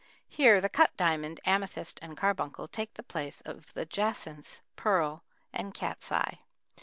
Here the cut diamond, amethyst, and carbuncle take the place of the jacinth, pearl, and cat's eye.